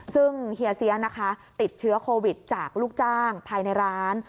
ซึ่งเฮียเสียนะคะติดเชื้อโควิดจากลูกจ้างภายในร้าน